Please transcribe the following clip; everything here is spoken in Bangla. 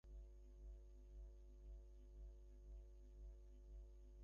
হ্যাঁ, ওরা কথা বলছে না আসলে।